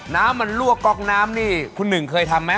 น้ำมันลั่วกก๊อกน้ำนี่คุณหนึ่งเคยทำไหม